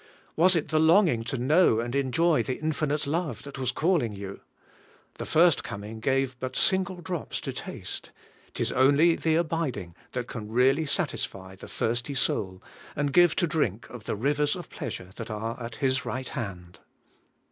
Was it the long ing to know and enjoy the Infinite Love that was calling you? the first coming gave but single drops 16 ABIDE IN CHRIST: to taste, — 'tis only the abiding that can really satisfy the thirsty soul, and give to drink of the rivers of pleasure that are at His right hand.